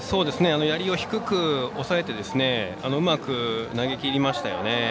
やりを低く抑えてうまく投げきりましたよね。